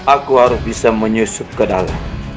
aku harus bisa menyusup ke dalam